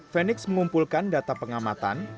fenix mengumpulkan data pengamatan